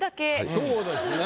そうですね。